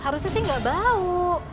harusnya sih gak bau